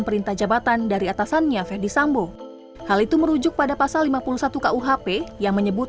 perintah jabatan dari atasannya ferdis sambo hal itu merujuk pada pasal lima puluh satu kuhp yang menyebut